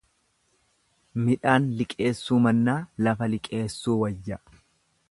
Midhaan liqeessuu mannaa lafa liqeessuu wayya.